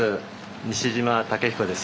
西島武彦です。